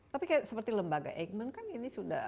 tapi seperti lembaga eijkman kan ini sudah